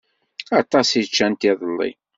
Aṭas i ččant iḍelli.